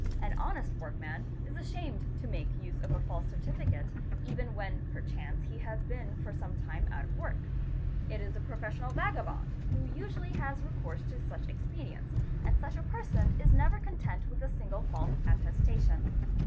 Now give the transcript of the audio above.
An honest workman is ashamed to make use of a false certificate even when perchance he has been for some time 788. CHEATING AND FRAUD out of work ; it is the professional vagabond who usually has recourse to such expedients and such a person is never content with a single false attestation.